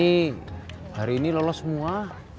ini hari ini lolos semua